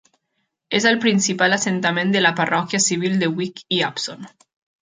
És el principal assentament de la parròquia civil de Wick i Abson.